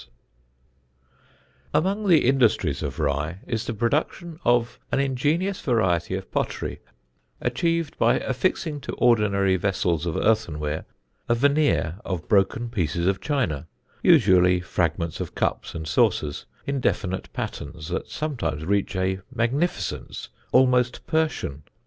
[Sidenote: RYE POTTERY] Among the industries of Rye is the production of an ingenious variety of pottery achieved by affixing to ordinary vessels of earthenware a veneer of broken pieces of china usually fragments of cups and saucers in definite patterns that sometimes reach a magnificence almost Persian.